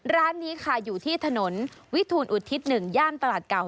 ร้านนี้ค่ะอยู่ที่ถนนวิทูลอุทิศ๑ย่านตลาดเก่า